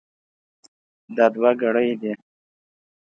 دا دوه ګړۍ دي.